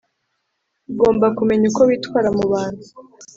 Ugomba kumenya uko witwara mubantu